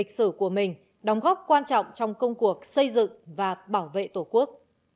lịch sử của mình đóng góp quan trọng trong công cuộc xây dựng và bảo vệ tổ quốc